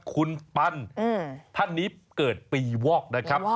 คุณปันท่านนี้เกิดปีวอกนะครับ